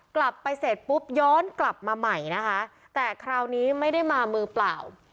กลับไปเสร็จปุ๊บย้อนกลับมาใหม่นะคะแต่คราวนี้ไม่ได้มามือเปล่า